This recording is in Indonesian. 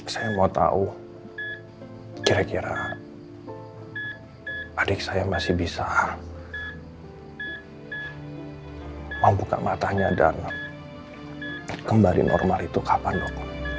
saya mau tahu kira kira adik saya masih bisa membuka matanya dan kembali normal itu kapan dok